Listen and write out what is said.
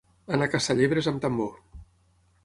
Anar a caçar llebres amb tambor.